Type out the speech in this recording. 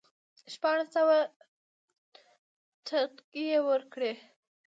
شپاړس سوه ټنګې یې ورکړې.